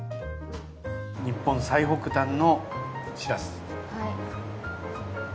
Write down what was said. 日本最北端のシラス。